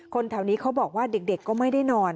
แถวนี้เขาบอกว่าเด็กก็ไม่ได้นอน